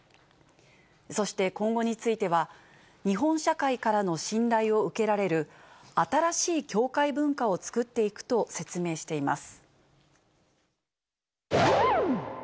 そして今後については、日本社会からの信頼を受けられる、新しい教会文化を作っていくと説明しています。